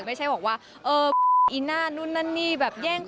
ไม่ใช่บอกว่าเอออีน่านู่นนั่นนี่แบบแย่ง